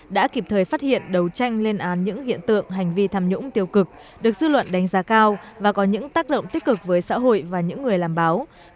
đã kịp thời phát hiện đấu tranh lên án những hiện tượng hành vi tham nhũng tiêu cực được dư luận đánh giá cao và có những tác động tích cực với xã hội và những người làm báo